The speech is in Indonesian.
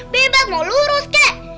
bebas mau lurus ke